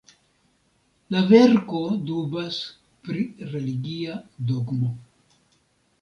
La verko dubas pri religia dogmo.